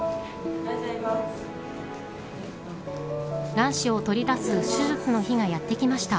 卵子を取り出す手術の日がやってきました。